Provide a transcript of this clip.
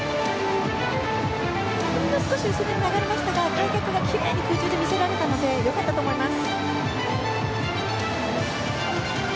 ほんの少し後ろに流れましたが開脚がきれいに空中で見せられたので良かったと思います。